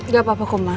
gak apa apa kumla